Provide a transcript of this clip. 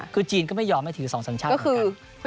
คือจีนก็ไม่ยอมให้ถือ๒สัญชาติเหมือนกัน